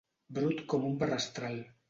Brut com un barrastral.